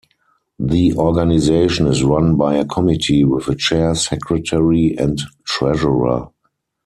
The organization is run by a committee with a chair, secretary and treasurer.